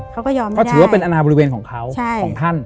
ก็ถือว่าเป็นอาณาบริเวณของเขาของท่าน